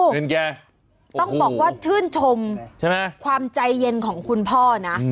ต้องบอกว่าชื่นชมความใจเย็นของคุณพ่อนะ